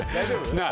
なあ！